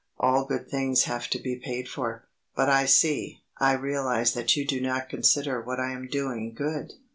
"All good things have to be paid for. But I see I realize that you do not consider what I am doing good.